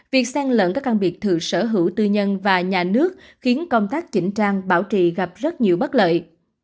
việc săn lận các căn biệt thự sở hữu tư nhân và nhà nước khiến công tác chỉnh trang bảo trì gặp rất nhiều bất lợi